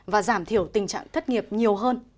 và giảm thiểu tình trạng thất nghiệp nhiều hơn